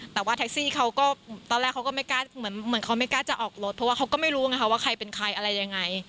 แต่ว่าแท็กซี่ตอนแรกเขาก็ไม่กล้าจะออกรถเพราะว่าเขาก็ไม่รู้ว่าใครเป็นใครอะไรยังไง